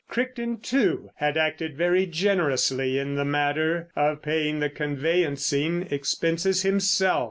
Crichton, too, had acted very generously in the matter of paying the conveyancing expenses himself.